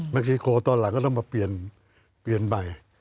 เม็กซิโกตอนหลังก็ต้องมาเปลี่ยนใหม่